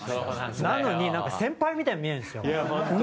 なのに、なんか先輩みたいに見えるんですよ。